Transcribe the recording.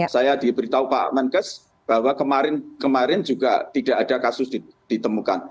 saya diberitahu pak menkes bahwa kemarin juga tidak ada kasus ditemukan